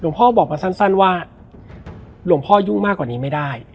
พ่อบอกมาสั้นว่าหลวงพ่อยุ่งมากกว่านี้ไม่ได้